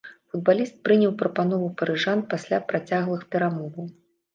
Футбаліст прыняў прапанову парыжан пасля працяглых перамоваў.